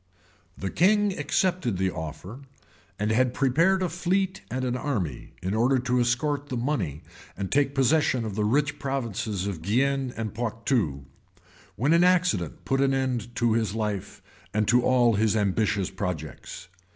] The king accepted the offer; and had prepared a fleet and an army, in order to escort the money and take possession of the rich provinces of Guienne and Poictou; when an accident put an end to his life, and to all his ambitious projects.